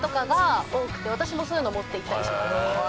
私もそういうの持って行ったりします。